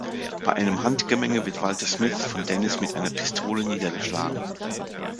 Bei einem Handgemenge wird Walter Smith von Dennis mit einer Pistole niedergeschlagen.